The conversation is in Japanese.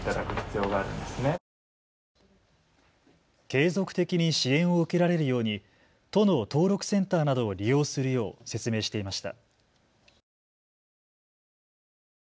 継続的に支援を受けられるように都の登録センターなどを利用するよう説明していました。